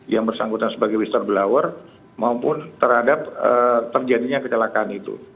yang bersangkutan sebagai whistleblower maupun terhadap terjadinya kecelakaan itu